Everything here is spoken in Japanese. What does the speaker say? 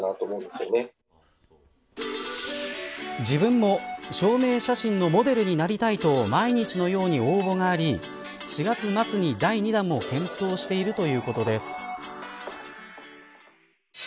自分も証明写真のモデルになりたいと毎日のように応募があり４月末に第２弾も検討しているということです。